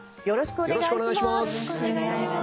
よろしくお願いします。